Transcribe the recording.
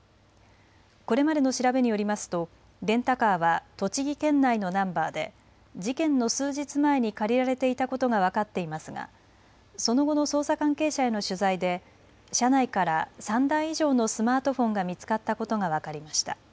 これまでの調べによりますとレンタカーは栃木県内のナンバーで事件の数日前に借りられていたことが分かっていますがその後の捜査関係者への取材で車内から３台以上のスマートフォンが見つかったことが分かりました。